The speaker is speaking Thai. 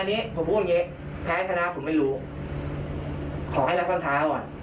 อันนี้ผมพูดไงแพ้ทะเลาะผมไม่รู้ขอให้เรากำถาอ่อน